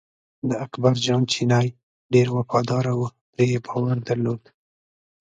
د اکبر جان چینی ډېر وفاداره و پرې یې باور درلود.